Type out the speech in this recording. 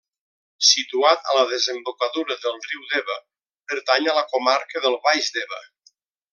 Situat a la desembocadura del riu Deba, pertany a la comarca del baix Deba.